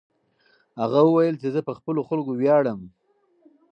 هغه وویل چې زه په خپلو خلکو ویاړم.